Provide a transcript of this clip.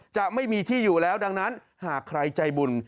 จะไม่มีที่อยู่แล้วดังนั้นหากใครใจบุญ